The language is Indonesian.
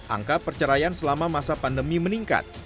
angka perceraian selama masa pandemi meningkat